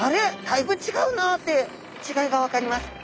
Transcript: だいぶ違うなって違いが分かります。